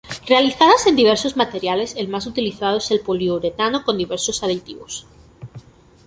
Realizadas en diversos materiales, el más utilizado es el poliuretano con diversos aditivos.